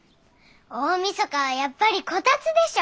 大みそかはやっぱりこたつでしょ！